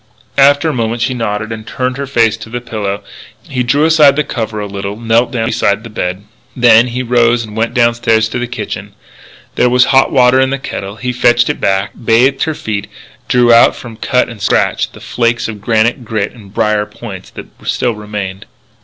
After a moment she nodded and turned her face on the pillow. He drew aside the cover a little, knelt down beside the bed. Then he rose and went downstairs to the kitchen. There was hot water in the kettle. He fetched it back, bathed her feet, drew out from cut and scratch the flakes of granite grit and brier points that still remained there.